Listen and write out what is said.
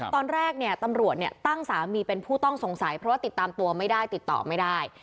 ตอนแรกเนี่ยตำรวจตั้งสามีเป็นผู้ต้องสงสัยเพราะว่าติดตามตัวไม่ได้ติดต่อไม่ได้